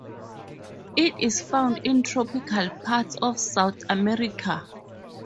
It is found in tropical parts of South America.